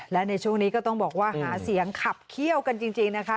และในช่วงนี้ก็ต้องบอกว่าหาเสียงขับเขี้ยวกันจริงนะคะ